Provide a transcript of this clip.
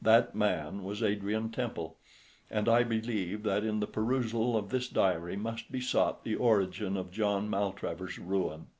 That man was Adrian Temple, and I believe that in the perusal of this diary must be sought the origin of John Maltravers's ruin.